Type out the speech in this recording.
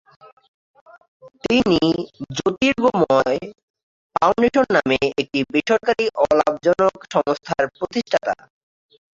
তিনি জ্যোতির্গময় ফাউন্ডেশন নামে একটি বেসরকারি অলাভজনক সংস্থার প্রতিষ্ঠাতা।